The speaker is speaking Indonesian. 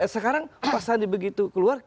sekarang pak sandi begitu keluar